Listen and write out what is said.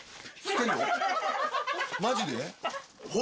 マジで？